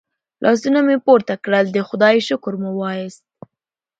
لاسونه مې پورته کړل د خدای شکر مو وایست.